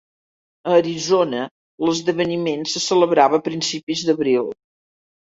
A Arizona, l'esdeveniment se celebrava a principis d'abril.